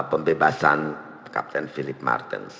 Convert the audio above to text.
pembebasan kapten philip martens